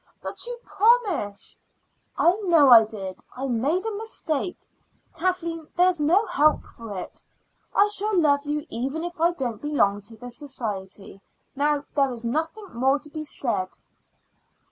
"But you promised." "I know I did. I made a mistake. Kathleen, there is no help for it. I shall love you even if I don't belong to the society. Now there is nothing more to be said."